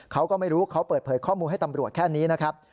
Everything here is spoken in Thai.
เขาก็ไม่รู้เขาเปิดเผยข้อมูลให้ตำรวจแค่นี้นะครับ